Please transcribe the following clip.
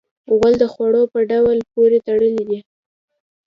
غول د خوړو په ډول پورې تړلی دی.